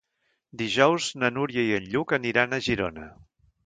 Dijous na Núria i en Lluc aniran a Girona.